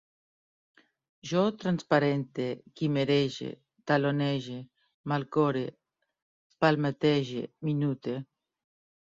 Jo transparente, quimerege, talonege, malcore, palmetege, minute